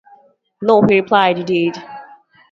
"No," he replied, "You did".